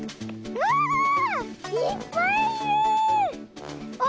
うわいっぱいいる！